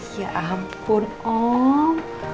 ya ampun om